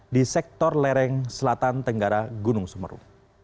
di sektor lereng selatan tenggara gunung sumeru